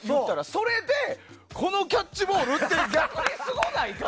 それでこのキャッチボールって逆にすごないか？